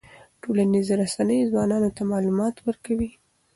ټولنیزې رسنۍ ځوانانو ته معلومات ورکوي.